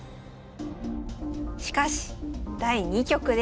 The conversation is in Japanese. しかし第２局です。